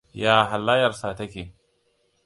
Ya halayyarsa ta ke?